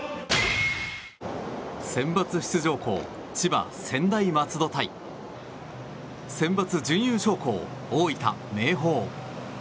センバツ出場校千葉・専大松戸対センバツ準優勝校大分・明豊。